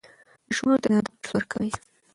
ماشومانو ته د ادب درس ورکړئ.